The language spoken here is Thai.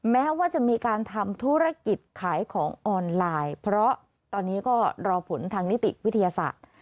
แม้ว่าจะมีการทำธุรกิจขายของออนไลน์เพราะตอนนี้ก็รอผลทางนิติวิทยาศาสตร์